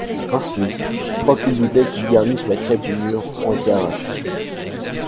Ainsi, trois culs de bouteille qui garnissent la crête du mur ont été arrachés.